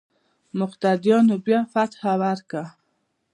مقتديانو بيا فتحه ورکړه.